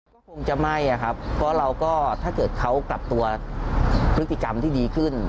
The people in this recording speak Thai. ก็คงจะไม่อะครับเพราะเราก็ถ้าเกิดเขากลับตัวพฤติกรรมที่ดีขึ้น